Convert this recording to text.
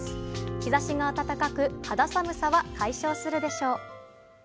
日差しが暖かく肌寒さは解消するでしょう。